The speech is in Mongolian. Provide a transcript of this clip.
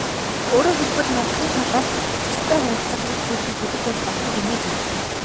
Өөрөөр хэлбэл, Монголын талаас Хятадтай харилцах нэг зүйлийн хөзөр байж болно гэмээр байна.